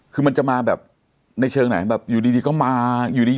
คือมันจะมาแบบในเชิงไหนแบบอยู่ดีก็มาอยู่ดี